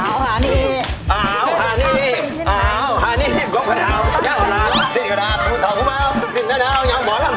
อ้าวอ้านี่อะไรในที่ไหนเอ้าแค่ร้าย